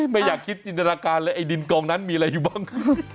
ไม่อยากคิดจินตนาการเลยไอ้ดินกองนั้นมีอะไรอยู่บ้าง